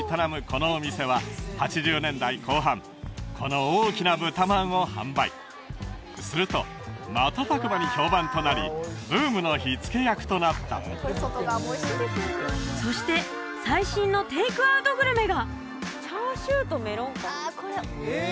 このお店は８０年代後半この大きなブタまんを販売すると瞬く間に評判となりブームの火つけ役となったそして最新のテイクアウトグルメが叉焼とメロンパン？